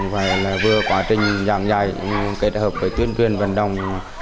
phải vừa quá trình giảng dạy vừa kết hợp với tuyên truyền vận động